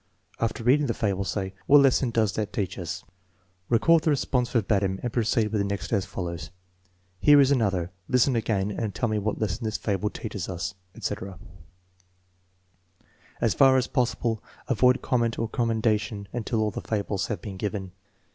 9 After reading the fable, say: " What lesson does that teach usP" Record the response verbatim and proceed with the next as follows: "Here is another. Listen again and tell me what lesson this fable teaches us," etc. As far as possible, avoid comment or commendation until all the fables have been given.